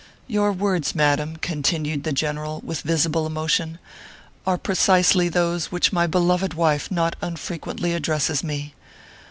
Your words, madam," continued the general, with visible emotion, "are precisely those which my be loved wife not unfrequently addresses to me.